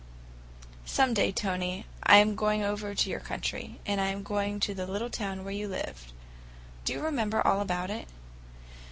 "Some day, Tony, I am going over to your country, and I am going to the little town where you lived. Do you remember all about it?"